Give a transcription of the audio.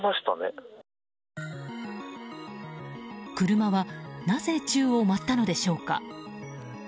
車はなぜ宙を舞ったのでしょうか。